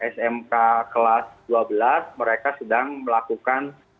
smk kelas dua belas mereka sedang melakukan